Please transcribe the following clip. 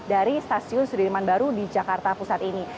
dari stasiun sudirman baru di jakarta pusat ini